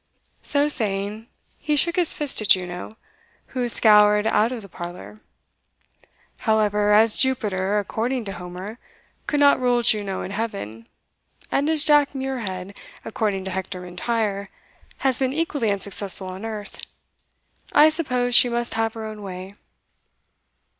(So saying, he shook his fist at Juno, who scoured out of the parlour.) "However, as Jupiter, according to Homer, could not rule Juno in heaven, and as Jack Muirhead, according to Hector M'Intyre, has been equally unsuccessful on earth, I suppose she must have her own way."